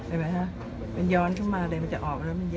เห็นไหมฮะมันย้อนเข้ามาเลยมันจะออกไปแล้วมันเยอะ